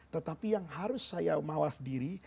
tetapi yang harus saya mawas diri